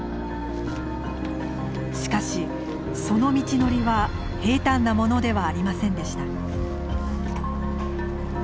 しかしその道のりは平たんなものではありませんでした。